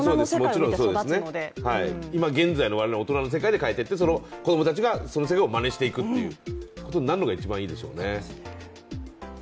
もちろんそうですね、今現在の我々大人の世界で変えていってその子供たちが、その世界をまねしていくというふうになるのが一番いいでしょうね。